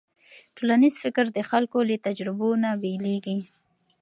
ټولنیز فکر د خلکو له تجربو نه بېلېږي.